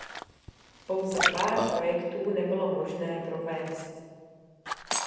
Pouze pár projektů nebylo možné provést.